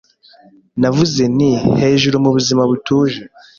Navuze nti Hejuru mu buzima butuje